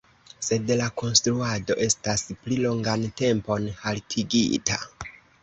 Sed la konstruado estas pli longan tempon haltigita.